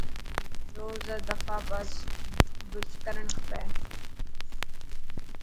روز آ دفا برش ڪرڻ کپي.